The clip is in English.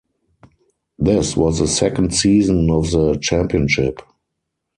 This was the second season of the championship.